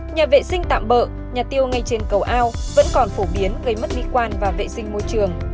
nhà vệ sinh tạm bỡ nhà tiêu ngay trên cầu ao vẫn còn phổ biến gây mất mỹ quan và vệ sinh môi trường